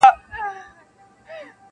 پوره درې مياشتي امير دئ زموږ پېشوا دئ-